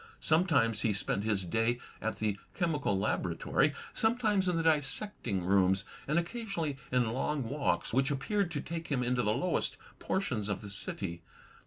Sometimes he spent his day at the chemical laboratory, sometimes in the dissecting rooms, and occa sionally in long walks, which appeared to take him into the lowest portions of the city.